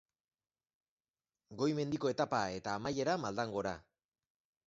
Goi-mendiko etapa eta amaiera maldan gora.